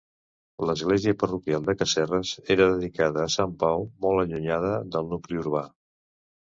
L'església parroquial de Casserres era dedicada a Sant Pau, molt allunyada del nucli urbà.